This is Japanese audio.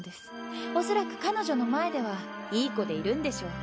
おそらく彼女の前ではいい子でいるんでしょう。